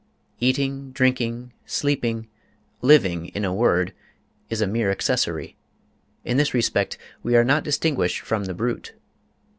Eating, drinking, sleeping, living, in a word, is a mere accessory. In this respect, we are not distinguished from the brute.